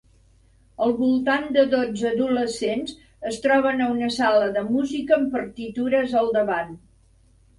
Al voltant de dotze adolescents es troben a una sala de música amb partitures al davant.